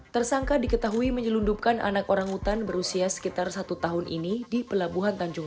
tersangka diketahui menyelundupkan anak orangutan berusia sekitar satu tahun ini di pelabuhan tanjung